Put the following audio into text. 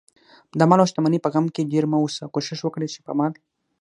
دمال اوشتمنۍ په غم کې ډېر مه اوسئ، کوښښ وکړئ، چې په مال